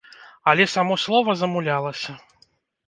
Але само слова замулялася.